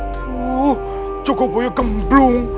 tuh cukup boyo gemblung